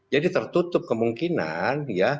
jadi tertutup kemungkinan